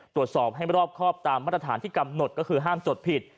ตรวจสอบให้รอบครอบตามมาตรฐานที่กำหนดก็คือห้ามจดผิด